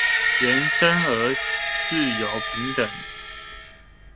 人生而自由平等